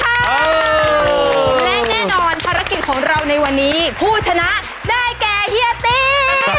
และแน่นอนภารกิจของเราในวันนี้ผู้ชนะได้แก่เฮียตี้